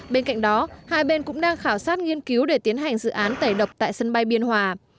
bên cạnh đó hai bên cũng đang khảo sát nghiên cứu để tiến hành dự án tẩy độc tại sân bay biên hòa